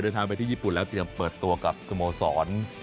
เดินทางไปที่ญี่ปุ่นแล้วเตรียมเปิดตัวกับสโมสร